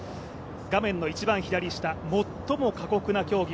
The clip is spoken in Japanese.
画面の一番左下、最も過酷な競技。